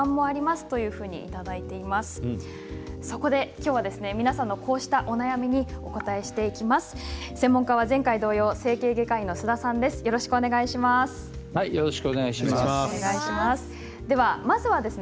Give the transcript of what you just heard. きょうは皆さんのこうしたお悩みにお答えしていきます。